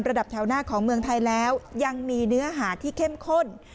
แถวหน้าของเมืองไทยแล้วยังมีเนื้อหาที่เข้มข้น